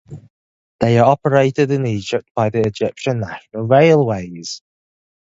They are operated in Egypt by the Egyptian National Railways.